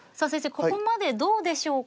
ここまでどうでしょうか？